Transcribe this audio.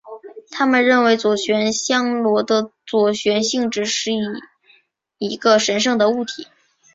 他们认为左旋香螺的左旋性质是一个神圣的物体。